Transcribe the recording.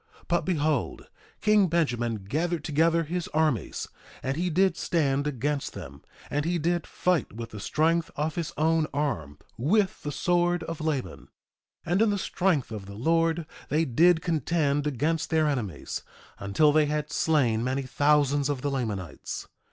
But behold, king Benjamin gathered together his armies, and he did stand against them; and he did fight with the strength of his own arm, with the sword of Laban. 1:14 And in the strength of the Lord they did contend against their enemies, until they had slain many thousands of the Lamanites.